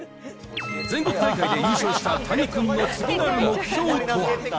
全国大会で優勝した谷君の次なる目標とは？